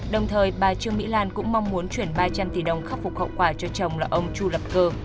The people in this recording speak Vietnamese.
đồng thời bà trương mỹ lan cũng mong muốn chuyển ba trăm linh tỷ đồng khắc phục hậu quả cho chồng là ông chu lập cơ